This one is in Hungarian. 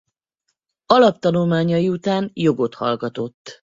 Alap tanulmányai után jogot hallgatott.